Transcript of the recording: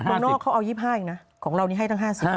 เมืองนอกเขาเอา๒๕อีกนะของเรานี่ให้ตั้ง๕๐